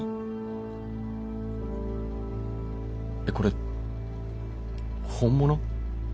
えこれ本物？